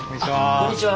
こんにちは